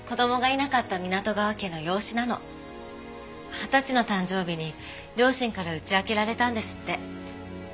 二十歳の誕生日に両親から打ち明けられたんですって。